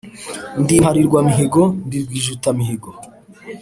Ndi impalirwa mihigo, ndi rwijutamihigo,